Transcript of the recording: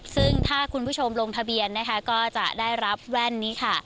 ซึ่งถ้าคุณผู้ชมลงทะเบียนนะคะก็จะได้รับแว่นนี้ค่ะ